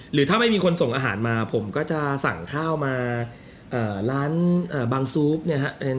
หรือถ้าไม่มีคนส่งอาหารมาผมก็จะสั่งข้าวมาร้านบางซูปเนี่ยครับ